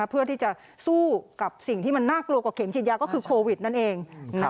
เพื่อที่จะสู้กับสิ่งที่มันน่ากลัวกว่าเข็มฉีดยาก็คือโควิดนั่นเอง